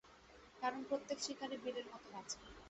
কারণ প্রত্যেক শিকারী বীরের মতো বাঁচে!